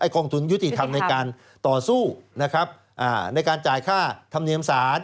กองทุนยุติธรรมในการต่อสู้ในการจ่ายค่าธรรมเนียมสาร